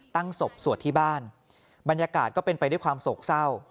ตั้งศพสวดที่บ้านบรรยากาศก็เป็นไปด้วยความโศกเศร้า